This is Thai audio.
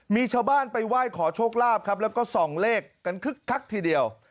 มีชาวบ้านไปไหว้ขอโชคลาภครับแล้วก็ส่องเลขกันคึกคักทีเดียว